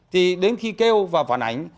thì đến khi kêu và phản ảnh